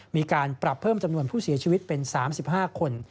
มีการปรับเพิ่มจำนวนผู้เสียชีวิตเป็น๓๕คน